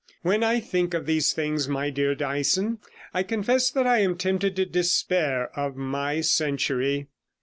When I think of these things, my dear Dyson, I confess that I am tempted to despair of my century.'